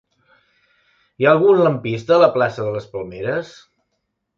Hi ha algun lampista a la plaça de les Palmeres?